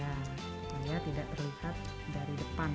supaya tidak terlihat dari depan